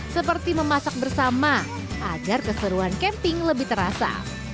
seperti memasak bersama agar keseruan camping lebih terasa